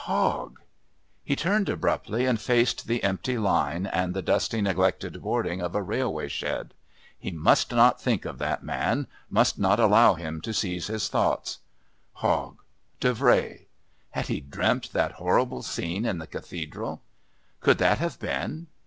Hogg.... He turned abruptly and faced the empty line and the dusty neglected boarding of a railway shed. He must not think of that man, must not allow him to seize his thoughts. Hogg Davray. Had he dreamt that horrible scene in the Cathedral? Could that have been?